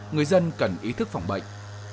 người dân cần ý thức phòng bệnh